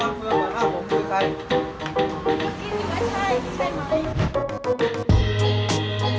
ทุกที่ว่าใช่ไหม